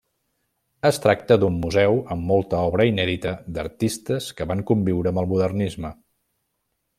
Es tracta d'un museu amb molta obra inèdita d'artistes que van conviure amb el modernisme.